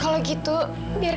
kamila kau bernyanyi